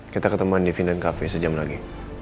kita ketemuan di vinden cafe sejam lagi